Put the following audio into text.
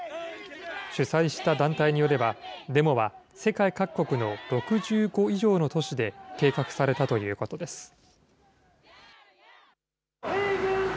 主催した団体によれば、デモは世界各国の６５以上の都市で、計画されたということです。